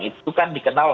itu kan dikenal